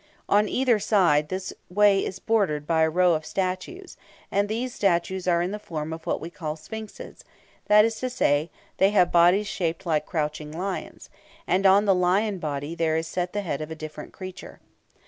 On either side, this way is bordered by a row of statues, and these statues are in the form of what we call sphinxes that is to say, they have bodies shaped like crouching lions, and on the lion body there is set the head of a different creature.